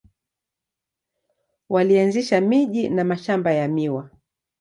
Walianzisha miji na mashamba ya miwa.